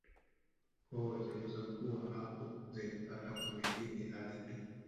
Koo zilizokuwa hapo zilipata kumiliki ardhi